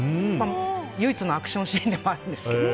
唯一のアクションシーンでもあるんですけど。